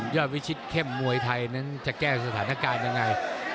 วิชิตเข้มมวยไทยนั้นจะแก้สถานการณ์ยังไง